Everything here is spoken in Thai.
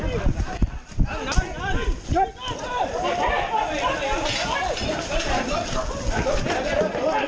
สวัสดีครับคุณผู้ชาย